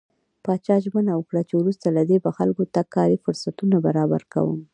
پاچا ژمنه وکړه چې وروسته له دې به خلکو ته کاري فرصتونه برابر کوم .